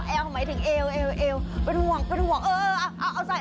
แอวหมายถึงเอวเป็นห่วงเออเอาใส่